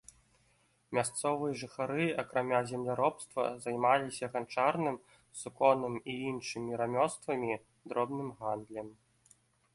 Мясцовыя жыхары акрамя земляробства займаліся ганчарным, суконным і іншымі рамёствамі, дробным гандлем.